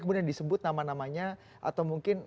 kemudian disebut nama namanya atau mungkin